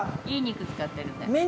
いい肉使ってるんで。